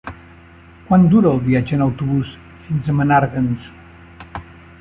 Quant dura el viatge en autobús fins a Menàrguens?